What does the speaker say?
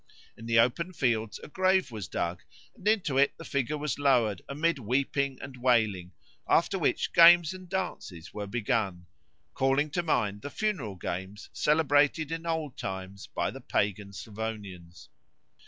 In the open fields a grave was dug, and into it the figure was lowered amid weeping and wailing, after which games and dances were begun, "calling to mind the funeral games celebrated in old times by the pagan Slavonians."